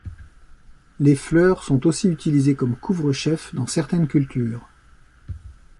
Les fleurs sont aussi utilisées comme couvre-chef dans certaines cultures.